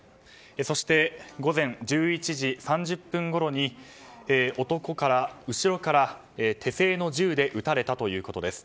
そして午前１１時３０分ごろに男に後ろから手製の銃で撃たれたということです。